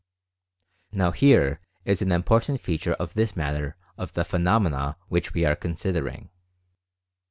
Now here is an important feature of this matter of the phenomena which we are considering.